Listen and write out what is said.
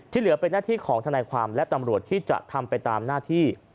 เหลือเป็นหน้าที่ของทนายความและตำรวจที่จะทำไปตามหน้าที่